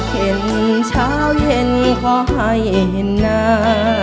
เห็นเช้าเย็นขอให้เห็นหน้า